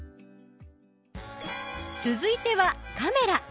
続いてはカメラ。